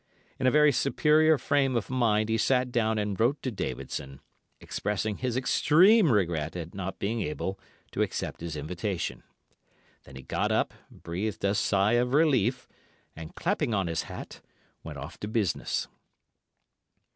In a very superior frame of mind he sat down and wrote to Davidson, expressing his extreme regret at not being able to accept his invitation. Then he got up, breathed a sigh of relief, and, clapping on his hat, went off to business.